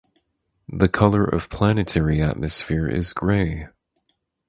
The color of planetary atmosphere is grey.